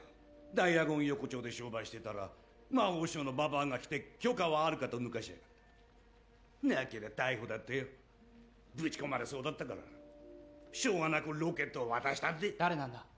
ダイアゴン横丁で商売してたら魔法省のばばあが来て許可はあるかと抜かしやがったなけりゃ逮捕だってよぶち込まれそうだったからしょうがなくロケットを渡したんでい誰なんだ？